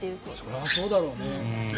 そりゃそうだろうね。